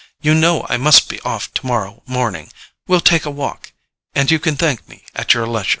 You know I must be off tomorrow morning. We'll take a walk, and you can thank me at your leisure."